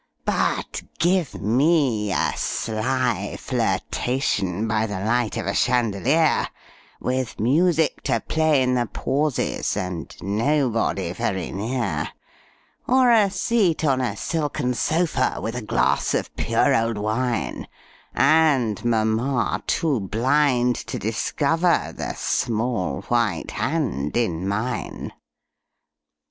But give me a sly flirtation By the light of a chandelier With music to play in the pauses, And nobody very near; Or a seat on a silken sofa, With a glass of pure old wine, And mamma too blind to discover The small white hand in mine.